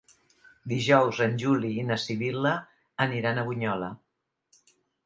Dijous en Juli i na Sibil·la aniran a Bunyola.